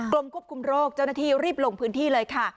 ควบคุมโรคเจ้าหน้าที่รีบลงพื้นที่เลยค่ะ